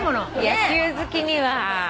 野球好きには。